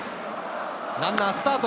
ランナー、スタート。